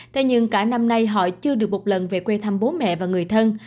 thế nhưng cả năm nay họ chưa được một lần về quê thăm bố mẹ và người thân